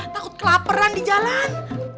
takut kelaperan di jalan